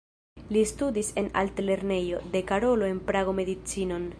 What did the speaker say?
Li studis en Altlernejo de Karolo en Prago medicinon.